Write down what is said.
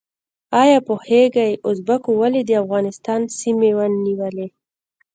ایا پوهیږئ ازبکو ولې د افغانستان سیمې ونیولې؟